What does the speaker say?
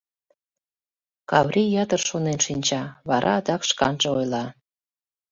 Каврий ятыр шонен шинча, вара адак шканже ойла: